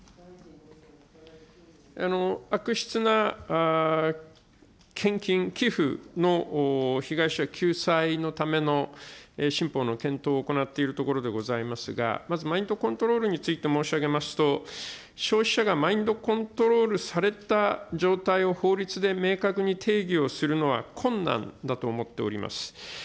悪質な献金、寄付の被害者救済のための新法の検討を行っているところでございますが、まずマインドコントロールについて申し上げますと、消費者がマインドコントロールされた状態を法律で明確に定義をするのは困難だと思っております。